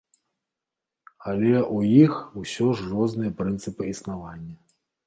Але ў іх усё ж розныя прынцыпы існавання.